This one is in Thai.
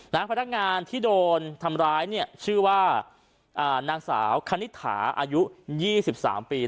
พนักงานที่โดนทำร้ายเนี่ยชื่อว่านางสาวคณิตถาอายุ๒๓ปี